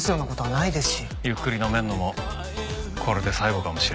ゆっくり飲めるのもこれで最後かもしれねえ。